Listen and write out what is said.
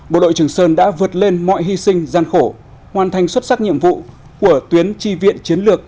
bộ đội trường sơn đã vượt lên mọi hy sinh gian khổ hoàn thành xuất sắc nhiệm vụ của tuyến tri viện chiến lược